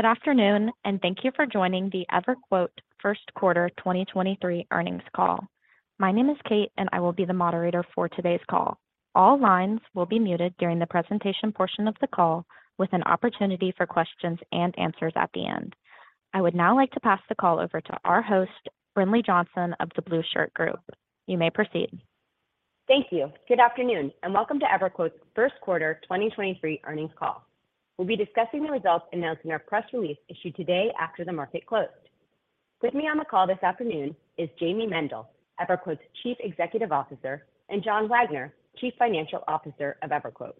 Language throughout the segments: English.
Good afternoon, thank you for joining the EverQuote first quarter 2023 earnings call. My name is Kate, and I will be the moderator for today's call. All lines will be muted during the presentation portion of the call with an opportunity for questions and answers at the end. I would now like to pass the call over to our host, Brinlea Johnson of the The Blueshirt Group. You may proceed. Thank you. Good afternoon, welcome to EverQuote's first quarter 2023 earnings call. We'll be discussing the results announcing our press release issued today after the market closed. With me on the call this afternoon is Jayme Mendal, EverQuote's Chief Executive Officer, and John Wagner, Chief Financial Officer of EverQuote.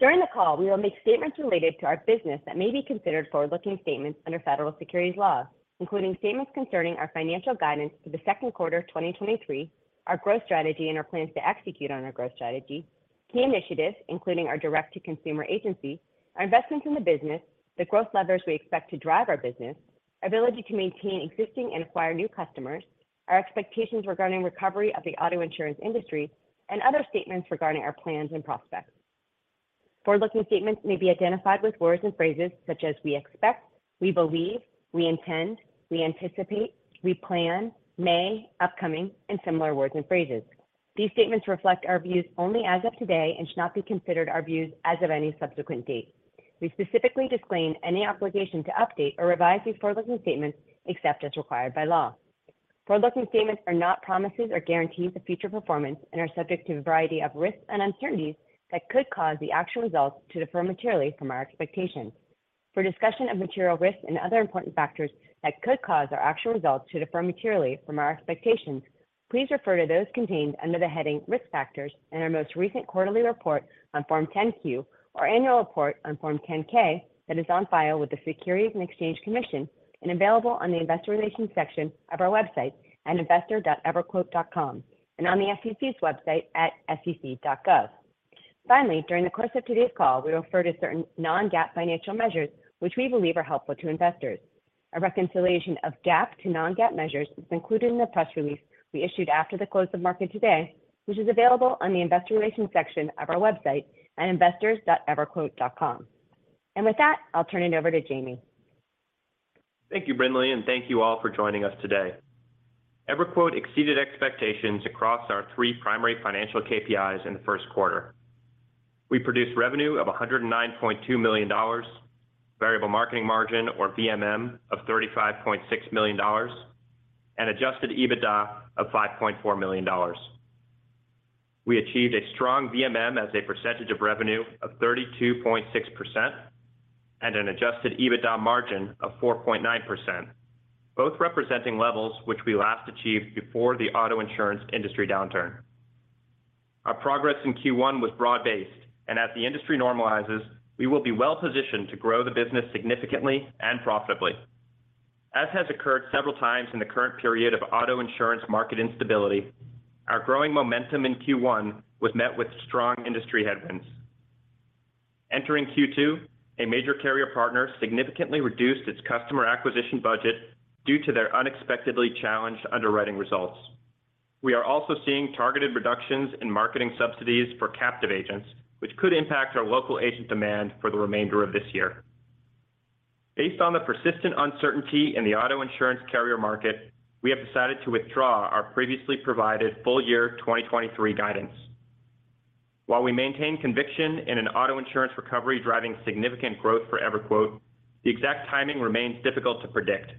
During the call, we will make statements related to our business that may be considered forward-looking statements under federal securities laws, including statements concerning our financial guidance for the second quarter of 2023, our growth strategy and our plans to execute on our growth strategy, key initiatives, including our direct-to-consumer agency, our investments in the business, the growth levers we expect to drive our business, ability to maintain existing and acquire new customers, our expectations regarding recovery of the auto insurance industry, and other statements regarding our plans and prospects. Forward-looking statements may be identified with words and phrases such as "we expect," "we believe," "we intend," "we anticipate," "we plan," "may," "upcoming," and similar words and phrases. These statements reflect our views only as of today and should not be considered our views as of any subsequent date. We specifically disclaim any obligation to update or revise these forward-looking statements except as required by law. Forward-looking statements are not promises or guarantees of future performance and are subject to a variety of risks and uncertainties that could cause the actual results to differ materially from our expectations. For discussion of material risks and other important factors that could cause our actual results to differ materially from our expectations, please refer to those contained under the heading Risk Factors in our most recent quarterly report on Form 10-Q or annual report on Form 10-K that is on file with the Securities and Exchange Commission and available on the investor relations section of our website at investors.everquote.com and on the SEC's website at sec.gov. Finally, during the course of today's call, we refer to certain non-GAAP financial measures which we believe are helpful to investors. A reconciliation of GAAP to non-GAAP measures is included in the press release we issued after the close of market today, which is available on the investor relations section of our website at investors.everquote.com. With that, I'll turn it over to Jayme. Thank you, Brinlea, and thank you all for joining us today. EverQuote exceeded expectations across our three primary financial KPIs in the first quarter. We produced revenue of $109.2 million, variable marketing margin or VMM of $35.6 million, and adjusted EBITDA of $5.4 million. We achieved a strong VMM as a percentage of revenue of 32.6% and an adjusted EBITDA margin of 4.9%, both representing levels which we last achieved before the auto insurance industry downturn. Our progress in Q1 was broad-based, and as the industry normalizes, we will be well-positioned to grow the business significantly and profitably. As has occurred several times in the current period of auto insurance market instability, our growing momentum in Q1 was met with strong industry headwinds. Entering Q2, a major carrier partner significantly reduced its customer acquisition budget due to their unexpectedly challenged underwriting results. We are also seeing targeted reductions in marketing subsidies for captive agents, which could impact our local agent demand for the remainder of this year. Based on the persistent uncertainty in the auto insurance carrier market, we have decided to withdraw our previously provided full year 2023 guidance. While we maintain conviction in an auto insurance recovery driving significant growth for EverQuote, the exact timing remains difficult to predict.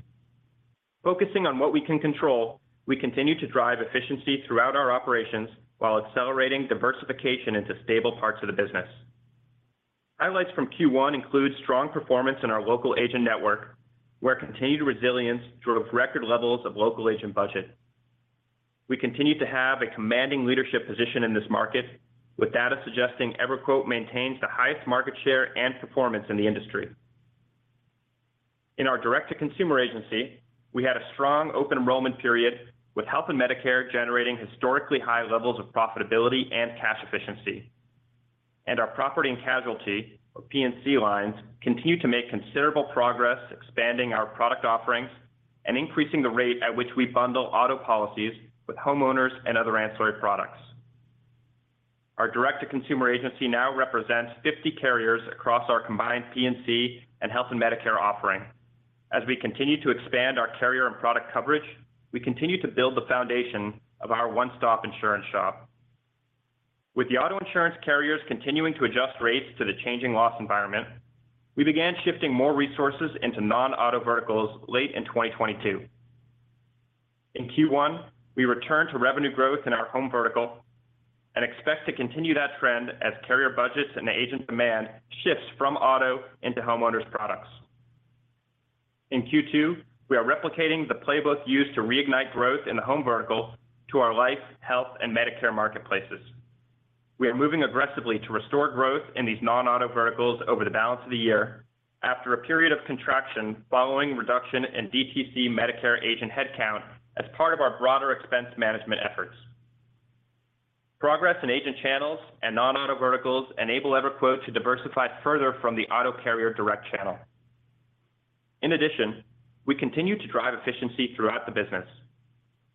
Focusing on what we can control, we continue to drive efficiency throughout our operations while accelerating diversification into stable parts of the business. Highlights from Q1 include strong performance in our local agent network, where continued resilience drove record levels of local agent budget. We continue to have a commanding leadership position in this market, with data suggesting EverQuote maintains the highest market share and performance in the industry. In our direct-to-consumer agency, we had a strong open enrollment period, with Health and Medicare generating historically high levels of profitability and cash efficiency. Our property and casualty, or P&C lines, continue to make considerable progress expanding our product offerings and increasing the rate at which we bundle auto policies with homeowners and other ancillary products. Our direct-to-consumer agency now represents 50 carriers across our combined P&C and Health and Medicare offering. As we continue to expand our carrier and product coverage, we continue to build the foundation of our one-stop insurance shop. With the auto insurance carriers continuing to adjust rates to the changing loss environment, we began shifting more resources into non-auto verticals late in 2022. In Q1, we returned to revenue growth in our home vertical and expect to continue that trend as carrier budgets and agent demand shifts from auto into homeowners' products. In Q2, we are replicating the playbook used to reignite growth in the home vertical to our life, health, and Medicare marketplaces. We are moving aggressively to restore growth in these non-auto verticals over the balance of the year after a period of contraction following reduction in DTC Medicare agent headcount as part of our broader expense management efforts. Progress in agent channels and non-auto verticals enable EverQuote to diversify further from the auto carrier direct channel. We continue to drive efficiency throughout the business.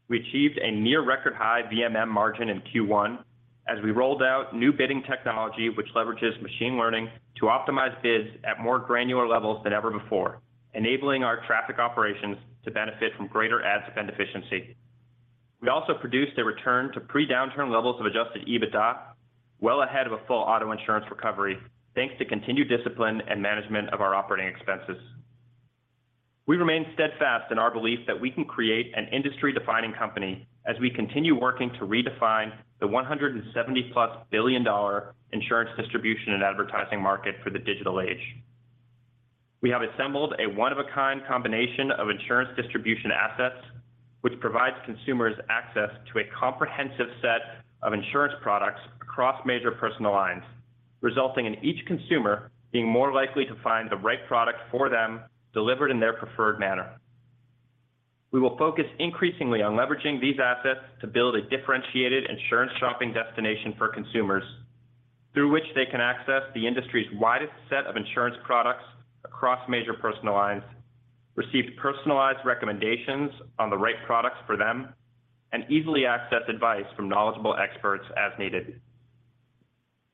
We achieved a near record high VMM margin in Q1 as we rolled out new bidding technology, which leverages machine learning to optimize bids at more granular levels than ever before, enabling our traffic operations to benefit from greater ad spend efficiency. We also produced a return to pre-downturn levels of Adjusted EBITDA well ahead of a full auto insurance recovery, thanks to continued discipline and management of our operating expenses. We remain steadfast in our belief that we can create an industry-defining company as we continue working to redefine the $170+ billion insurance distribution and advertising market for the digital age. We have assembled a one-of-a-kind combination of insurance distribution assets, which provides consumers access to a comprehensive set of insurance products across major personal lines, resulting in each consumer being more likely to find the right product for them delivered in their preferred manner. We will focus increasingly on leveraging these assets to build a differentiated insurance shopping destination for consumers through which they can access the industry's widest set of insurance products across major personal lines, receive personalized recommendations on the right products for them, and easily access advice from knowledgeable experts as needed.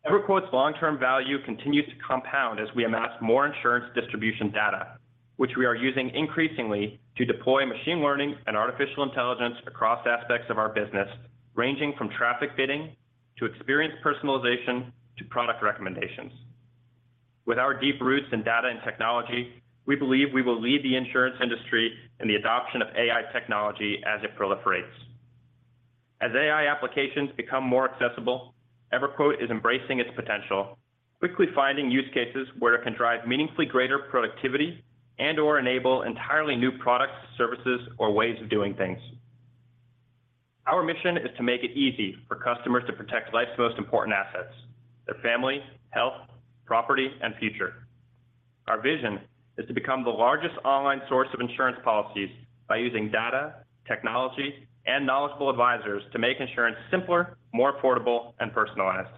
EverQuote's long-term value continues to compound as we amass more insurance distribution data, which we are using increasingly to deploy machine learning and artificial intelligence across aspects of our business, ranging from traffic bidding to experience personalization to product recommendations. With our deep roots in data and technology, we believe we will lead the insurance industry in the adoption of AI technology as it proliferates. As AI applications become more accessible, EverQuote is embracing its potential, quickly finding use cases where it can drive meaningfully greater productivity and or enable entirely new products, services, or ways of doing things. Our mission is to make it easy for customers to protect life's most important assets, their family, health, property, and future. Our vision is to become the largest online source of insurance policies by using data, technology, and knowledgeable advisors to make insurance simpler, more affordable, and personalized.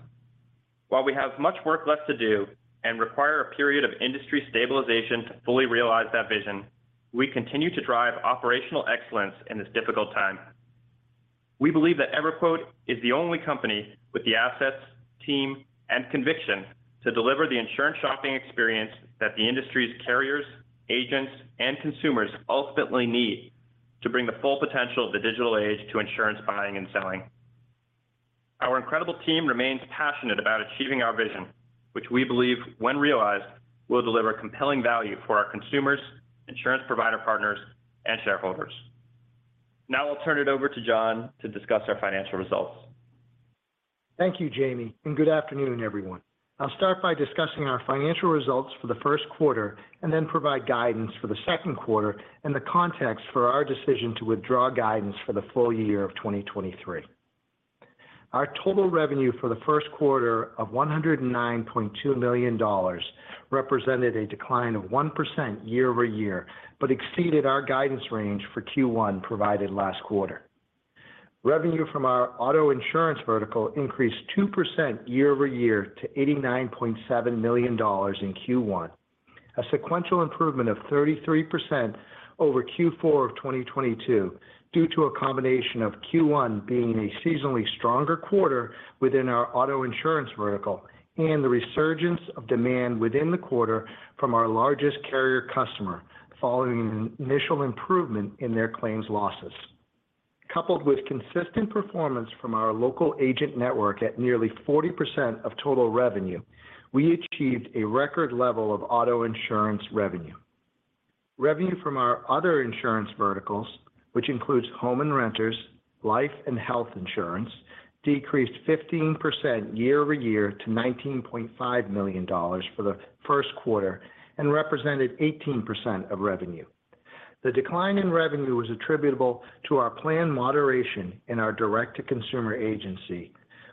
While we have much work left to do and require a period of industry stabilization to fully realize that vision, we continue to drive operational excellence in this difficult time. We believe that EverQuote is the only company with the assets, team, and conviction to deliver the insurance shopping experience that the industry's carriers, agents, and consumers ultimately need to bring the full potential of the digital age to insurance buying and selling. Our incredible team remains passionate about achieving our vision, which we believe, when realized, will deliver compelling value for our consumers, insurance provider partners, and shareholders. Now I'll turn it over to John to discuss our financial results. Thank you, Jayme. Good afternoon, everyone. I'll start by discussing our financial results for the first quarter and then provide guidance for the second quarter and the context for our decision to withdraw guidance for the full year of 2023. Our total revenue for the first quarter of $109.2 million represented a decline of 1% year-over-year, exceeded our guidance range for Q1 provided last quarter. Revenue from our auto insurance vertical increased 2% year-over-year to $89.7 million in Q1, a sequential improvement of 33% over Q4 of 2022 due to a combination of Q1 being a seasonally stronger quarter within our auto insurance vertical and the resurgence of demand within the quarter from our largest carrier customer following an initial improvement in their claims losses. Coupled with consistent performance from our local agent network at nearly 40% of total revenue, we achieved a record level of auto insurance revenue. Revenue from our other insurance verticals, which includes home and renters, life and health insurance, decreased 15% year-over-year to $19.5 million for the first quarter and represented 18% of revenue. The decline in revenue was attributable to our planned moderation in our direct-to-consumer agency,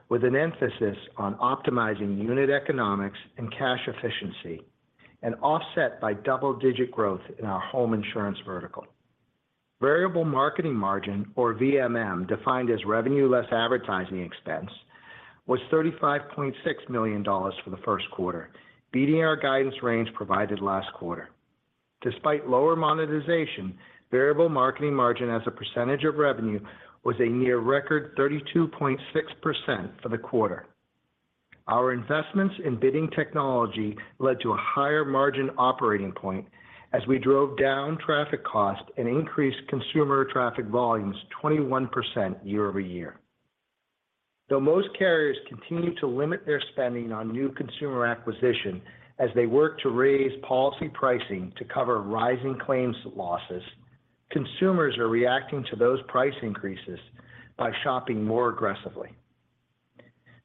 with an emphasis on optimizing unit economics and cash efficiency, and offset by double-digit growth in the home insurance vertical. Variable Marketing Margin, or VMM, defined as revenue less advertising expense, was $35.6 million for the first quarter, beating our guidance range provided last quarter. Despite lower monetization, Variable Marketing Margin as a percentage of revenue was a near-record 32.6% for the quarter. Our investments in bidding technology led to a higher margin operating point as we drove down traffic costs and increased consumer traffic volumes 21% year-over-year. Though most carriers continue to limit their spending on new consumer acquisition as they work to raise policy pricing to cover rising claims losses, consumers are reacting to those price increases by shopping more aggressively.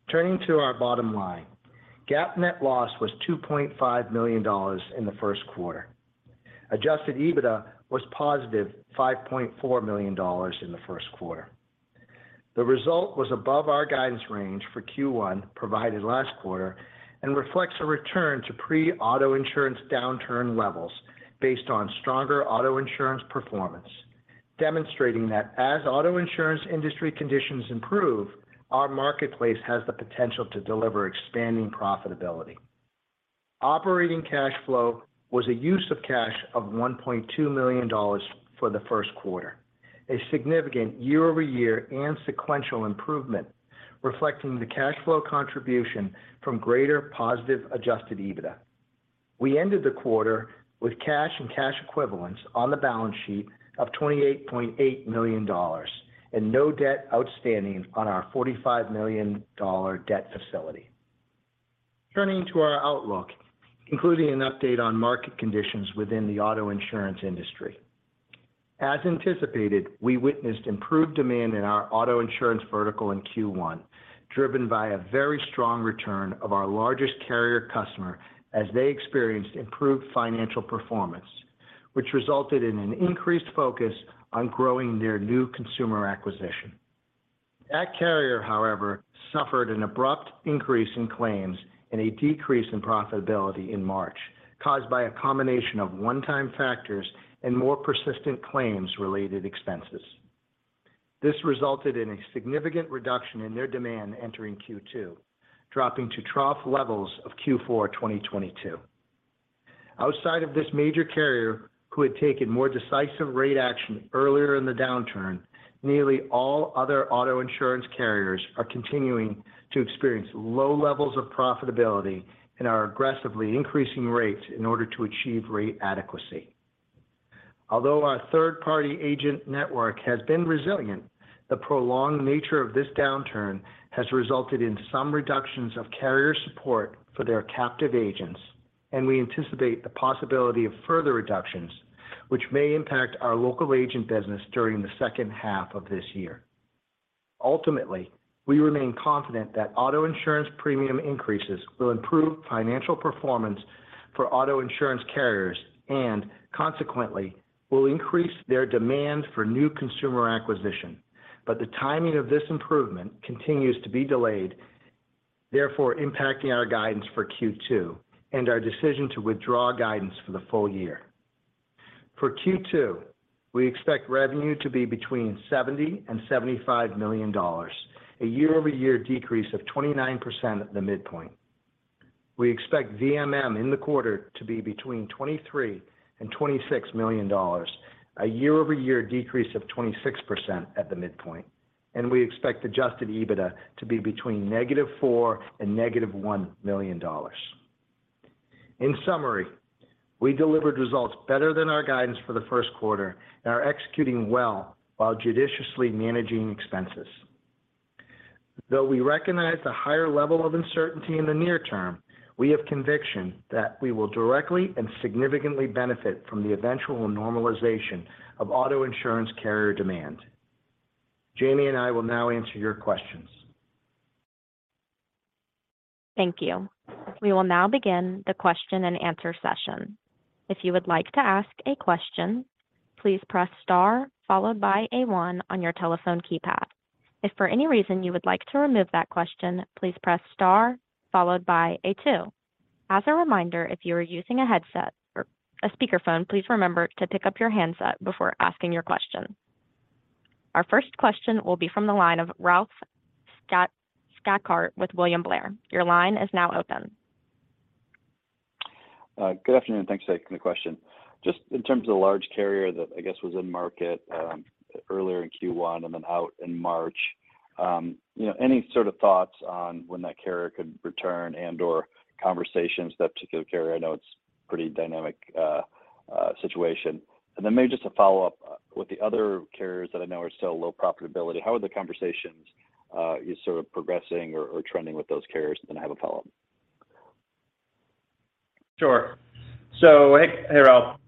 Turning to our bottom line, GAAP net loss was $2.5 million in the first quarter. Adjusted EBITDA was positive $5.4 million in the first quarter. The result was above our guidance range for Q1 provided last quarter and reflects a return to pre-auto insurance downturn levels based on stronger auto insurance performance, demonstrating that as auto insurance industry conditions improve, our marketplace has the potential to deliver expanding profitability. Operating cash flow was a use of cash of $1.2 million for the first quarter, a significant year-over-year and sequential improvement reflecting the cash flow contribution from greater positive Adjusted EBITDA. We ended the quarter with cash and cash equivalents on the balance sheet of $28.8 million and no debt outstanding on our $45 million debt facility. Turning to our outlook, including an update on market conditions within the auto insurance industry. As anticipated, we witnessed improved demand in our auto insurance vertical in Q1, driven by a very strong return of our largest carrier customer as they experienced improved financial performance, which resulted in an increased focus on growing their new consumer acquisition. That carrier, however, suffered an abrupt increase in claims and a decrease in profitability in March, caused by a combination of one-time factors and more persistent claims-related expenses. This resulted in a significant reduction in their demand entering Q2, dropping to trough levels of Q4 2022. Outside of this major carrier who had taken more decisive rate action earlier in the downturn, nearly all other auto insurance carriers are continuing to experience low levels of profitability and are aggressively increasing rates in order to achieve rate adequacy. Although our third-party agent network has been resilient, the prolonged nature of this downturn has resulted in some reductions of carrier support for their captive agents, and we anticipate the possibility of further reductions which may impact our local agent business during the second half of this year. Ultimately, we remain confident that auto insurance premium increases will improve financial performance for auto insurance carriers and, consequently, will increase their demand for new consumer acquisition. The timing of this improvement continues to be delayed, therefore impacting our guidance for Q2 and our decision to withdraw guidance for the full year. For Q2, we expect revenue to be between $70 million-$75 million, a year-over-year decrease of 29% at the midpoint. We expect VMM in the quarter to be between $23 million-$26 million, a year-over-year decrease of 26% at the midpoint. We expect Adjusted EBITDA to be between -$4 million and -$1 million. In summary, we delivered results better than our guidance for the first quarter and are executing well while judiciously managing expenses. Though we recognize the higher level of uncertainty in the near term, we have conviction that we will directly and significantly benefit from the eventual normalization of auto insurance carrier demand. Jayme and I will now answer your questions. Thank you. We will now begin the question and answer session. If you would like to ask a question, please press star followed by a one on your telephone keypad. If for any reason you would like to remove that question, please press star followed by a two. As a reminder, if you are using a headset or a speakerphone, please remember to pick up your handset before asking your question. Our first question will be from the line of Ralph Schackart with William Blair. Your line is now open. Good afternoon. Thanks for taking the question. Just in terms of the large carrier that I guess was in market, earlier in Q1 and then out in March, you know, any sort of thoughts on when that carrier could return and/or conversations with that particular carrier? I know it's pretty dynamic, situation. Maybe just a follow-up. With the other carriers that I know are still low profitability, how are the conversations, sort of progressing or trending with those carriers? I have a follow-up. Sure. Hey, hey, Ralph.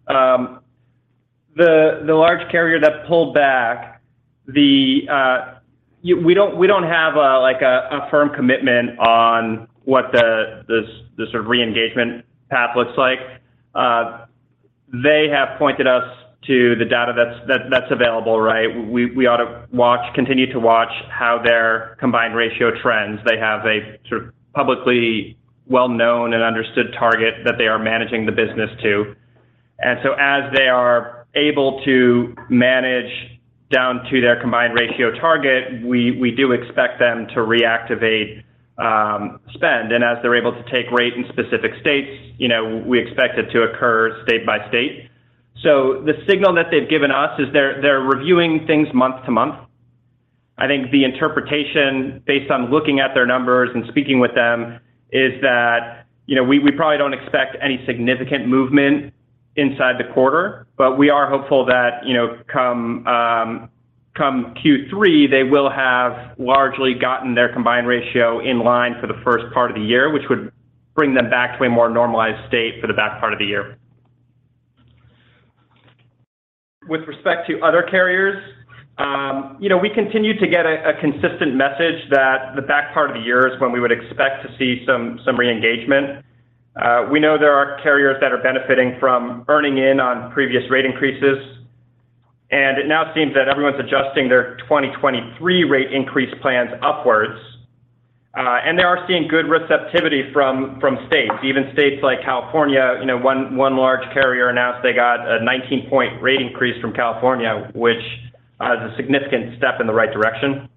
The large carrier that pulled back, we don't have a, like a firm commitment on what the sort of re-engagement path looks like. They have pointed us to the data that's available, right? We, we ought to watch, continue to watch how their combined ratio trends. They have a sort of publicly well-known and understood target that they are managing the business to. As they are able to manage down to their combined ratio target, we do expect them to reactivate spend. As they're able to take rate in specific states, you know, we expect it to occur state by state. The signal that they've given us is they're reviewing things month to month. I think the interpretation based on looking at their numbers and speaking with them is that, you know, we probably don't expect any significant movement inside the quarter. We are hopeful that, you know, come Q3, they will have largely gotten their combined ratio in line for the first part of the year, which would bring them back to a more normalized state for the back part of the year. With respect to other carriers, you know, we continue to get a consistent message that the back part of the year is when we would expect to see some re-engagement. We know there are carriers that are benefiting from earning in on previous rate increases. It now seems that everyone's adjusting their 2023 rate increase plans upwards. They are seeing good receptivity from states. Even states like California, you know, one large carrier announced they got a 19-point rate increase from California, which is a significant step in the right direction.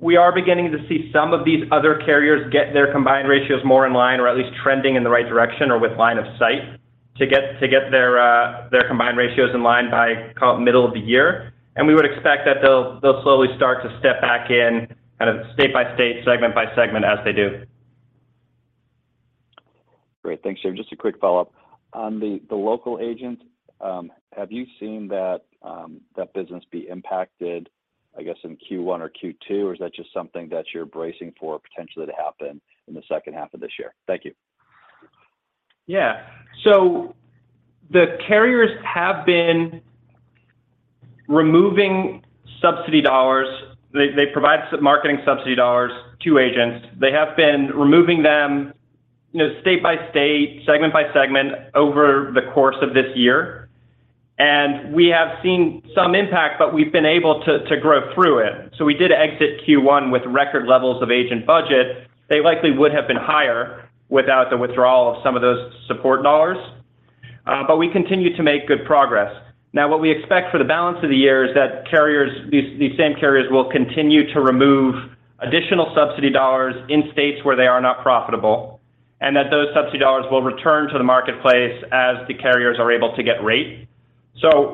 We are beginning to see some of these other carriers get their combined ratios more in line or at least trending in the right direction or with line of sight to get their combined ratios in line by call it middle of the year. We would expect that they'll slowly start to step back in kind of state by state, segment by segment as they do. Great. Thanks, Jayme. Just a quick follow-up. On the local agent, have you seen that business be impacted, I guess, in Q1 or Q2? Or is that just something that you're bracing for potentially to happen in the second half of this year? Thank you. The carriers have been removing subsidy dollars. They provide marketing subsidy dollars to agents. They have been removing them, you know, state by state, segment by segment over the course of this year. We have seen some impact, but we've been able to grow through it. We did exit Q1 with record levels of agent budget. They likely would have been higher without the withdrawal of some of those support dollars, but we continue to make good progress. What we expect for the balance of the year is that carriers, these same carriers will continue to remove additional subsidy dollars in states where they are not profitable, and that those subsidy dollars will return to the marketplace as the carriers are able to get rate.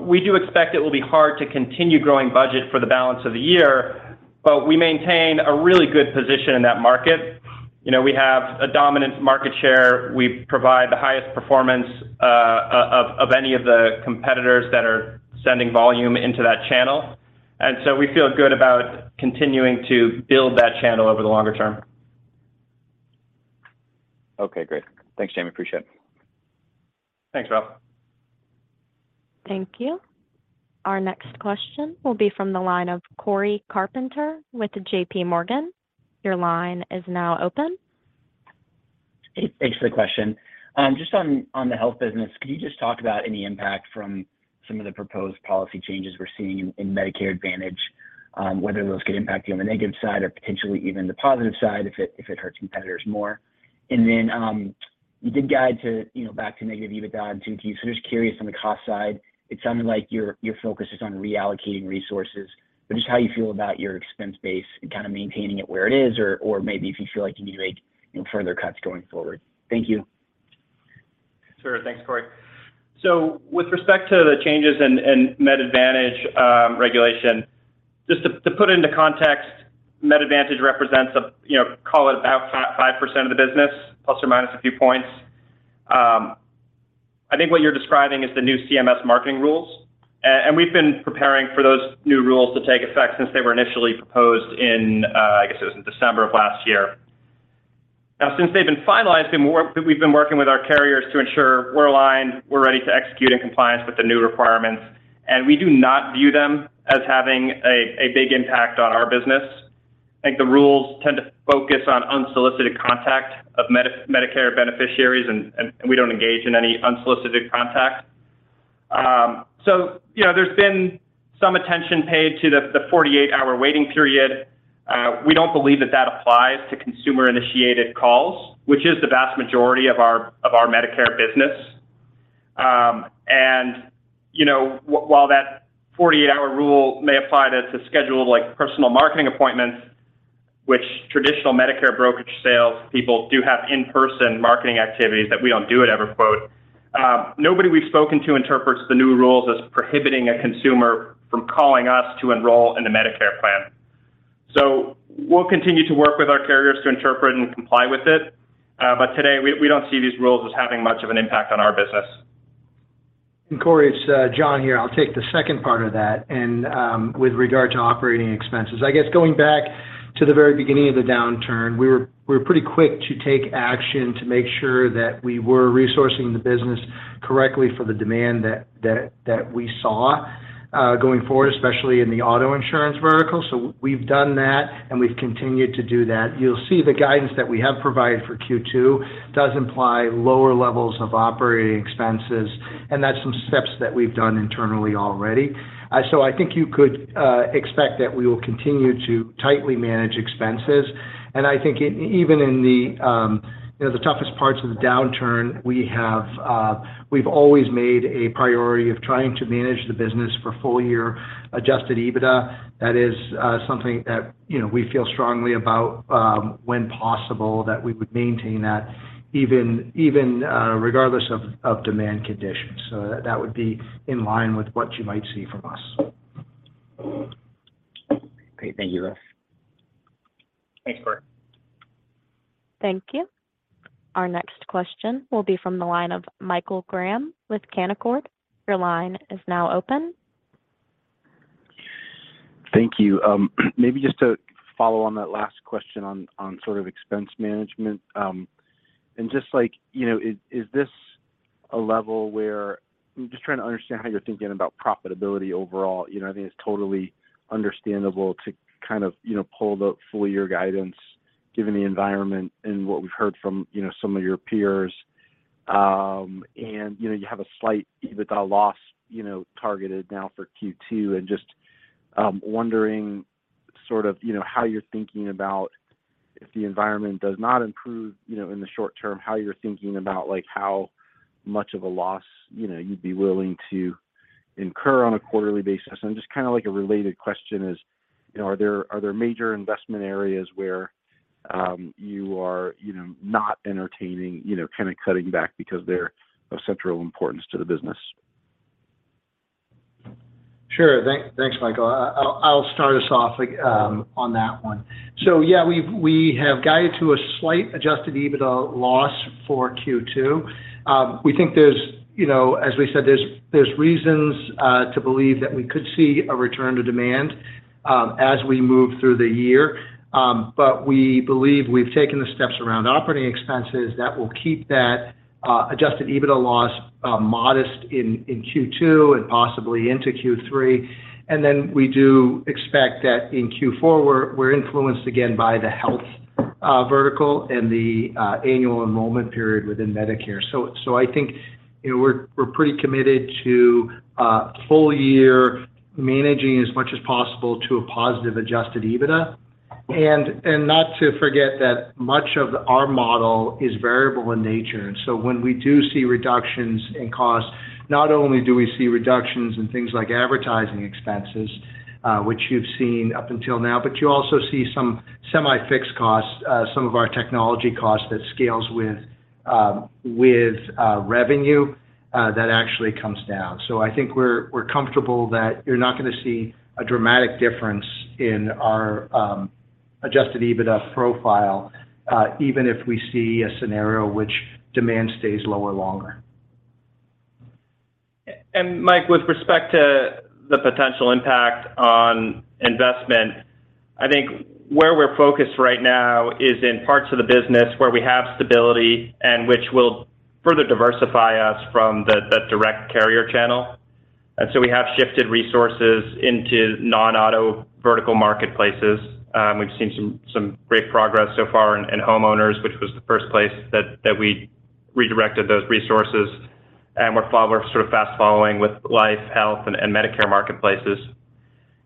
We do expect it will be hard to continue growing budget for the balance of the year, but we maintain a really good position in that market. You know, we have a dominant market share. We provide the highest performance of any of the competitors that are sending volume into that channel. We feel good about continuing to build that channel over the longer term. Okay, great. Thanks, Jayme. Appreciate it. Thanks, Ralph. Thank you. Our next question will be from the line of Cory Carpenter with J.P. Morgan. Your line is now open. Hey, thanks for the question. Just on the health business, could you just talk about any impact from some of the proposed policy changes we're seeing in Medicare Advantage, whether those could impact you on the negative side or potentially even the positive side if it hurts competitors more? Then you did guide to, you know, back to negative EBITDA in Q2. Just curious on the cost side, it sounded like your focus is on reallocating resources, but just how you feel about your expense base and kind of maintaining it where it is or maybe if you feel like you need to make, you know, further cuts going forward. Thank you. Sure. Thanks, Cory. With respect to the changes in Medicare Advantage, regulation, just to put into context, Medicare Advantage represents a, you know, call it about 5% of the business, plus or minus a few points. I think what you're describing is the new CMS marketing rules. We've been preparing for those new rules to take effect since they were initially proposed in, I guess it was in December of last year. Now, since they've been finalized, we've been working with our carriers to ensure we're aligned, we're ready to execute in compliance with the new requirements, and we do not view them as having a big impact on our business. I think the rules tend to focus on unsolicited contact of Medicare beneficiaries, and we don't engage in any unsolicited contact. You know, there's been some attention paid to the 48-hour waiting period. We don't believe that that applies to consumer-initiated calls, which is the vast majority of our Medicare business. You know, while that 48-hour rule may apply to schedule, like, personal marketing appointments, which traditional Medicare brokerage sales people do have in-person marketing activities that we don't do at EverQuote, nobody we've spoken to interprets the new rules as prohibiting a consumer from calling us to enroll in a Medicare plan. We'll continue to work with our carriers to interpret and comply with it. Today we don't see these rules as having much of an impact on our business. Cory, it's John here. I'll take the second part of that. With regard to operating expenses. I guess going back to the very beginning of the downturn, we were pretty quick to take action to make sure that we were resourcing the business correctly for the demand that we saw going forward, especially in the auto insurance vertical. We've done that, and we've continued to do that. You'll see the guidance that we have provided for Q2 does imply lower levels of operating expenses, and that's some steps that we've done internally already. I think you could expect that we will continue to tightly manage expenses. I think even in the, you know, the toughest parts of the downturn, we have, we've always made a priority of trying to manage the business for full-year Adjusted EBITDA. That is something that, you know, we feel strongly about, when possible, that we would maintain that even, regardless of demand conditions. That would be in line with what you might see from us. Great. Thank you, guys. Thanks, Cory. Thank you. Our next question will be from the line of Michael Graham with Canaccord. Your line is now open. Thank you. Maybe just to follow on that last question on sort of expense management. Just like, you know, is this a level where... I'm just trying to understand how you're thinking about profitability overall. You know, I think it's totally understandable to kind of, you know, pull the full-year guidance given the environment and what we've heard from, you know, some of your peers. You know, you have a slight EBITDA loss, you know, targeted now for Q2, and just wondering sort of, you know, how you're thinking about. If the environment does not improve, you know, in the short term, how you're thinking about, like, how much of a loss, you know, you'd be willing to incur on a quarterly basis? Just kind of like a related question is, you know, are there, are there major investment areas where, you are, you know, not entertaining, you know, kind of cutting back because they're of central importance to the business? Sure. Thanks, Michael. I'll start us off on that one. Yeah, we have guided to a slight Adjusted EBITDA loss for Q2. We think there's, you know, as we said, there's reasons to believe that we could see a return to demand as we move through the year. We believe we've taken the steps around operating expenses that will keep that Adjusted EBITDA loss modest in Q2 and possibly into Q3. We do expect that in Q4, we're influenced again by the health vertical and the Annual Enrollment Period within Medicare. I think, you know, we're pretty committed to a full year managing as much as possible to a positive Adjusted EBITDA. Not to forget that much of our model is variable in nature. When we do see reductions in costs, not only do we see reductions in things like advertising expenses, which you've seen up until now, but you also see some semi-fixed costs, some of our technology costs that scales with revenue, that actually comes down. I think we're comfortable that you're not gonna see a dramatic difference in our Adjusted EBITDA profile, even if we see a scenario which demand stays lower longer. Michael, with respect to the potential impact on investment, I think where we're focused right now is in parts of the business where we have stability and which will further diversify us from the direct carrier channel. We have shifted resources into non-auto vertical marketplaces. We've seen some great progress so far in homeowners, which was the first place that we redirected those resources. We're sort of fast following with life, health, and Medicare marketplaces,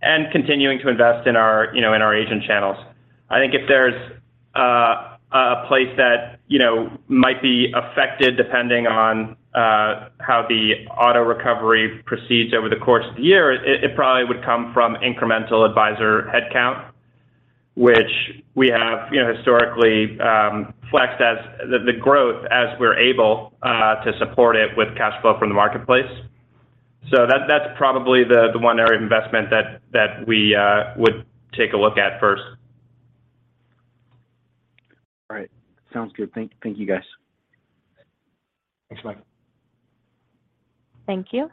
and continuing to invest in our, you know, in our agent channels. I think if there's a place that, you know, might be affected depending on how the auto recovery proceeds over the course of the year, it probably would come from incremental advisor headcount, which we have, you know, historically flexed as the growth as we're able to support it with cash flow from the marketplace. That's probably the one area of investment that we would take a look at first. All right. Sounds good. Thank you, guys. Thanks, Michael. Thank you.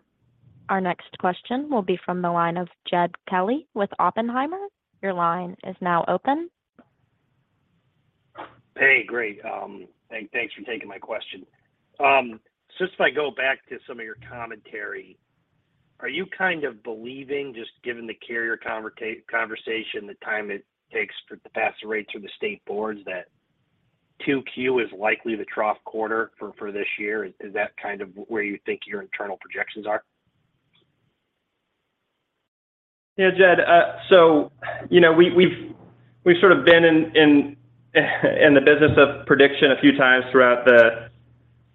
Our next question will be from the line of Jed Kelly with Oppenheimer. Your line is now open. Hey, great. Thanks for taking my question. Just if I go back to some of your commentary, are you kind of believing, just given the carrier conversation, the time it takes to pass the rates or the state boards that 2Q is likely the trough quarter for this year? Is that kind of where you think your internal projections are? Yeah, Jed. You know, we've sort of been in the business of prediction a few times throughout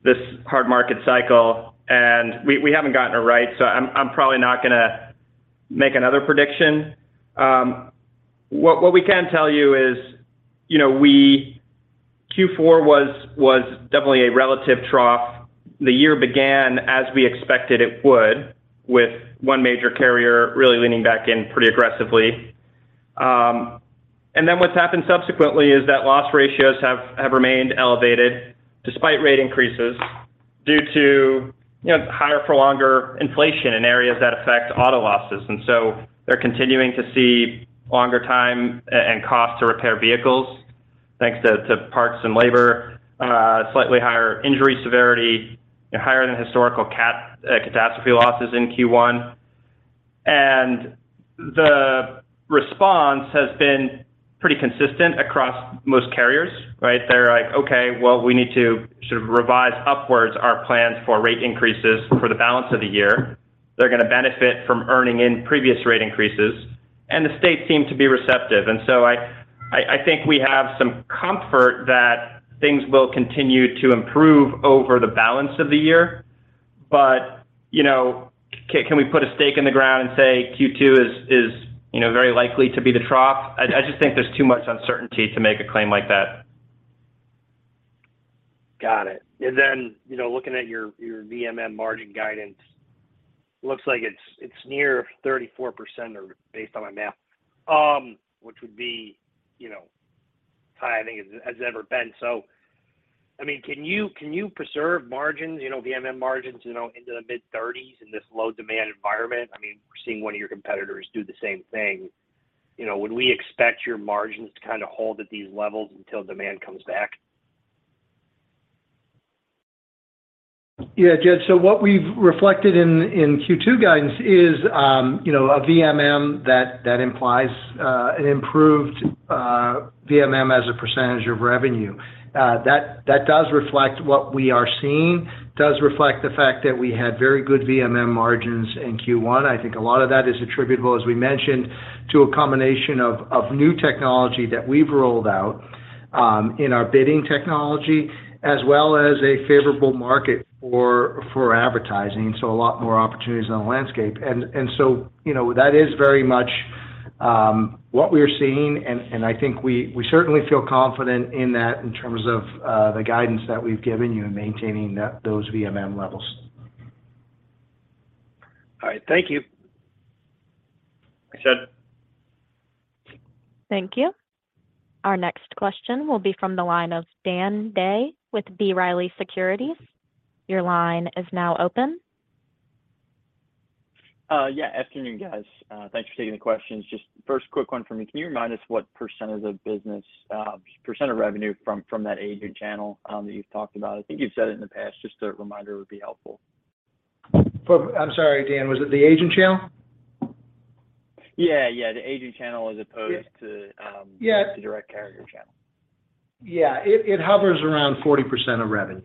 this hard market cycle, and we haven't gotten it right, so I'm probably not gonna make another prediction. What we can tell you is, you know, Q4 was definitely a relative trough. The year began as we expected it would, with one major carrier really leaning back in pretty aggressively. What's happened subsequently is that loss ratios have remained elevated despite rate increases due to, you know, higher-for-longer inflation in areas that affect auto losses. They're continuing to see longer time and cost to repair vehicles, thanks to parts and labor, slightly higher injury severity, higher than historical catastrophe losses in Q1. The response has been pretty consistent across most carriers, right? They're like, "Okay, well, we need to sort of revise upwards our plans for rate increases for the balance of the year." They're gonna benefit from earning in previous rate increases, and the state seem to be receptive. I think we have some comfort that things will continue to improve over the balance of the year. You know, can we put a stake in the ground and say Q2 is, you know, very likely to be the trough? I just think there's too much uncertainty to make a claim like that. Got it. You know, looking at your VMM margin guidance, looks like it's near 34% or based on my math, which would be, you know, high, I think as it's ever been. I mean, can you preserve margins, you know, VMM margins, you know, into the mid 30s in this low demand environment? I mean, we're seeing one of your competitors do the same thing. You know, would we expect your margins to kind of hold at these levels until demand comes back? Yeah, Jed. What we've reflected in Q2 guidance is, you know, a VMM that implies an improved VMM as a percentage of revenue. That does reflect what we are seeing, does reflect the fact that we had very good VMM margins in Q1. I think a lot of that is attributable, as we mentioned, to a combination of new technology that we've rolled out in our bidding technology, as well as a favorable market for advertising, so a lot more opportunities on the landscape. You know, that is very much what we're seeing, and I think we certainly feel confident in that in terms of the guidance that we've given you in maintaining those VMM levels. All right. Thank you. Thanks, Jed. Thank you. Our next question will be from the line of Dan Day with B. Riley Securities. Your line is now open. Yeah. Afternoon, guys. Thanks for taking the questions. Just first quick one for me. Can you remind us what percentage of business, percent of revenue from that agent channel that you've talked about? I think you've said it in the past. Just a reminder would be helpful. I'm sorry, Dan, was it the agent channel? Yeah. Yeah, the agent channel as opposed to. Yeah. The direct carrier channel. Yeah. It hovers around 40% of revenue.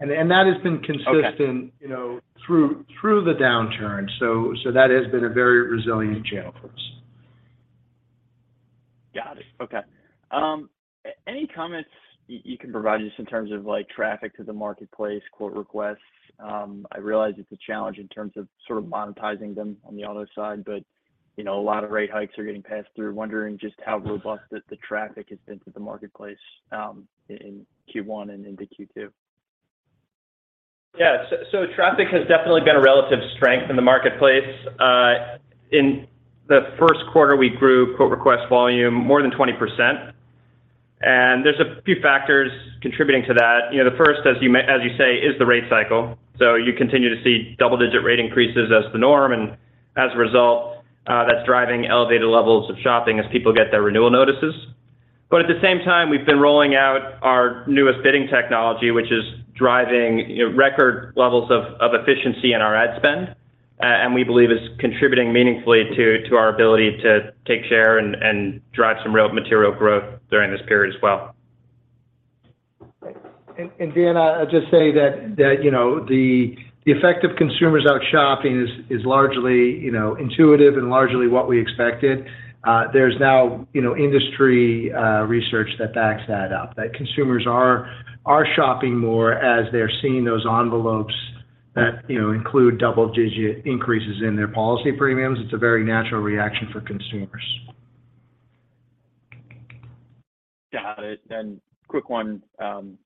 That has been consistent- Okay You know, through the downturn. That has been a very resilient channel for us. Got it. Okay. Any comments you can provide just in terms of, like, traffic to the marketplace, quote requests? I realize it's a challenge in terms of sort of monetizing them on the auto side, but, you know, a lot of rate hikes are getting passed through. Wondering just how robust the traffic has been to the marketplace in Q1 and into Q2? Traffic has definitely been a relative strength in the marketplace. In the first quarter, we grew quote request volume more than 20%. There's a few factors contributing to that. You know, the first, as you say, is the rate cycle. You continue to see double-digit rate increases as the norm. As a result, that's driving elevated levels of shopping as people get their renewal notices. At the same time, we've been rolling out our newest bidding technology, which is driving, you know, record levels of efficiency in our ad spend, and we believe is contributing meaningfully to our ability to take share and drive some real material growth during this period as well. Dan, I'll just say that, you know, the effect of consumers out shopping is largely, you know, intuitive and largely what we expected. There's now, you know, industry research that backs that up, that consumers are shopping more as they're seeing those envelopes that, you know, include double-digit increases in their policy premiums. It's a very natural reaction for consumers. Got it. Quick one,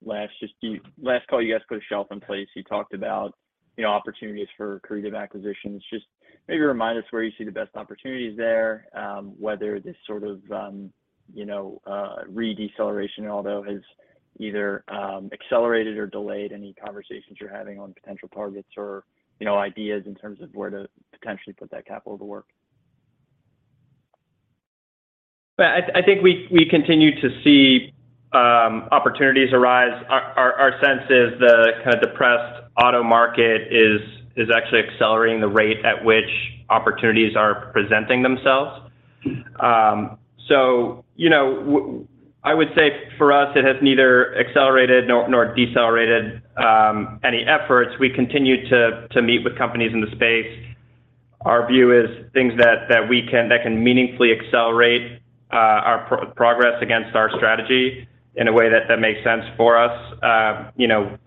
last. Just the last call, you guys put a shelf in place. You talked about, you know, opportunities for accretive acquisitions. Just maybe remind us where you see the best opportunities there, whether this sort of, you know, re-deceleration, although, has either, accelerated or delayed any conversations you're having on potential targets or, you know, ideas in terms of where to potentially put that capital to work. I think we continue to see opportunities arise. Our sense is the kind of depressed auto market is actually accelerating the rate at which opportunities are presenting themselves. You know, I would say for us, it has neither accelerated nor decelerated any efforts. We continue to meet with companies in the space. Our view is things that can meaningfully accelerate our progress against our strategy in a way that makes sense for us. You know,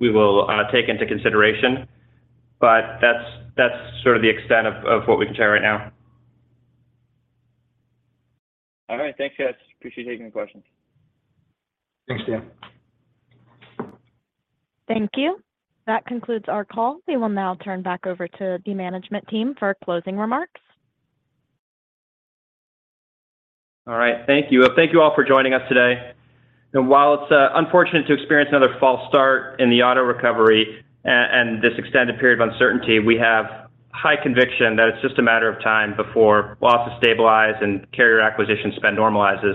we will take into consideration. That's sort of the extent of what we can share right now. All right. Thanks, guys. Appreciate you taking the questions. Thanks, Dan. Thank you. That concludes our call. We will now turn back over to the management team for closing remarks. Right. Thank you. Thank you all for joining us today. While it's unfortunate to experience another false start in the auto recovery and this extended period of uncertainty, we have high conviction that it's just a matter of time before losses stabilize and carrier acquisition spend normalizes.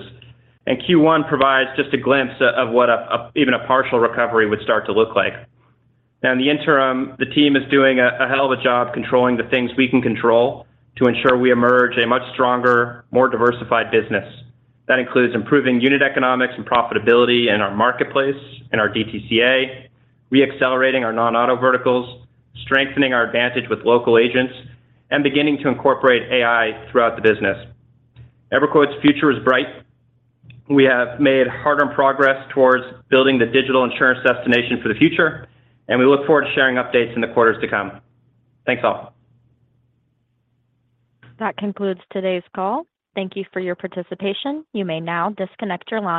Q1 provides just a glimpse of what even a partial recovery would start to look like. Now in the interim, the team is doing a hell of a job controlling the things we can control to ensure we emerge a much stronger, more diversified business. That includes improving unit economics and profitability in our marketplace, in our DTCA, reaccelerating our non-auto verticals, strengthening our advantage with local agents, and beginning to incorporate AI throughout the business. EverQuote's future is bright. We have made hard-earned progress towards building the digital insurance destination for the future, and we look forward to sharing updates in the quarters to come. Thanks, all. That concludes today's call. Thank you for your participation. You may now disconnect your line.